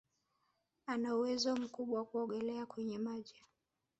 Ana uwezo mkubwa kuogelea kwenye maji